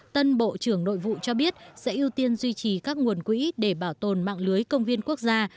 tân bộ trưởng nội vụ cho biết sẽ ưu tiên duy trì các nguồn quỹ để bảo tồn mạng lưới công viên quốc gia